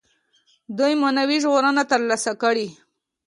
دوی معنوي ژغورنه تر لاسه کړي.